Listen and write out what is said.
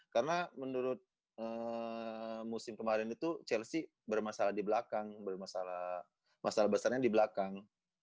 karena menurut musim kemarin itu chelsea bermasalah di belakang masalah besar nya di belakang